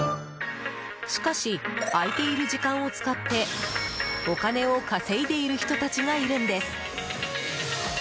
しかし、空いている時間を使ってお金を稼いでいる人たちがいるんです。